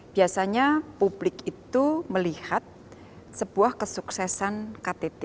biasanya publik itu melihat sebuah kesuksesan ktt